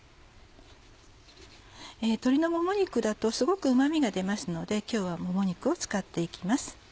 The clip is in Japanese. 鶏のもも肉だとすごくうま味が出ますので今日はもも肉を使って行きます。